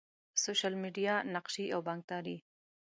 سوشل میډیا، نقشي او بانکداری